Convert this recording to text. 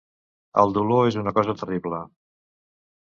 El dolor és una cosa terrible.